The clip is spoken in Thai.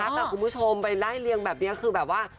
แต่คุณผู้ชมไปไล่เลียงแบบนี้คือแบบว่า